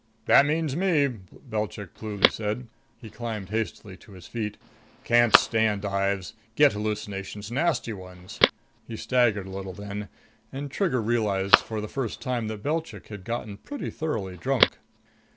"That means me," Belchik Pluly said. He climbed hastily to his feet. "Can't stand dives! Get hallucinations. Nasty ones." He staggered a little then, and Trigger realized for the first time that Belchy had got pretty thoroughly drunk.